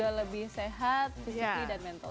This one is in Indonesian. dan juga lebih sehat fisik dan mental